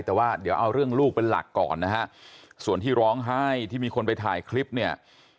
แต่ว่าเดี๋ยวเอาเรื่องลูกเป็นหลักก่อนนะฮะส่วนที่ร้องไห้ที่มีคนไปถ่ายคลิปเนี่ย